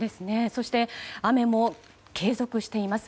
そして、雨も継続しています。